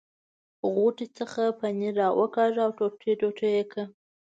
غوټې څخه پنیر را وکاږه او ټوټې ټوټې یې کړ.